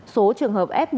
số trường hợp f một